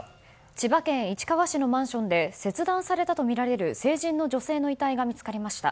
千葉県市川市のマンションで切断されたとみられる成人の女性の遺体が見つかりました。